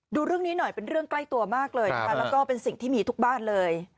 ดูเรื่องนี้หน่อยเป็นเรื่องใกล้ตัวมากเลยนะคะแล้วก็เป็นสิ่งที่มีทุกบ้านเลย